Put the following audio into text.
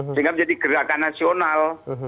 sehingga menjadi gerakan nasional